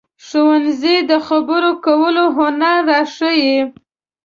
ښوونځی د خبرو کولو هنر راښيي